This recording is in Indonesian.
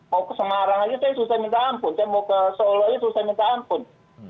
mau ke semarang aja saya susah minta ampun